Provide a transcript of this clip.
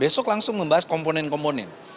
besok langsung membahas komponen komponen